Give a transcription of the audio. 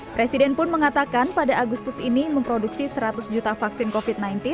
presiden pun mengatakan pada agustus ini memproduksi seratus juta vaksin covid sembilan belas